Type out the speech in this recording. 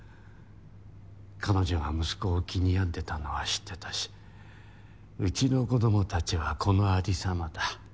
彼女が息子を気に病んでたのは知ってたしうちの子どもたちはこの有様だ。